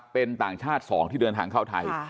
เป็นต่างชาติ๒ที่เดินทางเข้าไทย